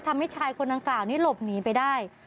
ทำให้ชายคนดังกล่าวนี้หลบหนีไปได้